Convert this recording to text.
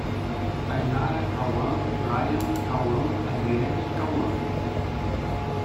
Tainara, Cauã, Rian, Kauan, Adriele e Kauã